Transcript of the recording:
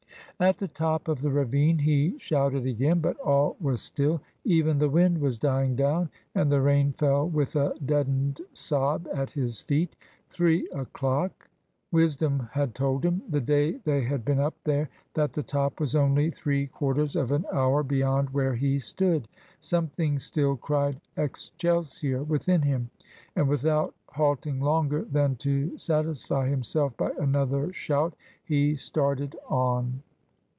At the top of the ravine he shouted again; but all was still. Even the wind was dying down, and the rain fell with a deadened sob at his feet. Three o'clock! Wisdom had told him, the day they had been up there, that the top was only three quarters of an hour beyond where he stood. Something still cried "Excelsior" within him, and without halting longer than to satisfy himself by another shout, he started on.